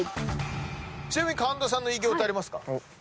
ちなみに神田さんの偉業ってありますか？